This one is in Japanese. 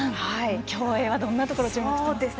競泳は、どんなところに注目していますか。